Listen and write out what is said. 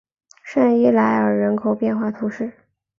圣伊莱尔人口变化图示